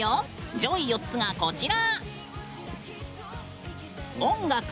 上位４つが、こちら。